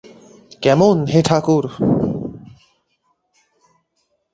কেমন হে ঠাকুর!